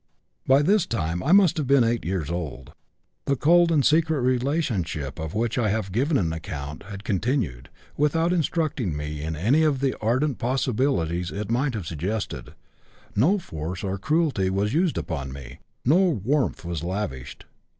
"By this time I must have been 8 years old. The cold and secret relationship of which I have given an account had continued without instructing me in any of the ardent possibilities it might have suggested; no force or cruelty was used upon me, no warmth was lavished.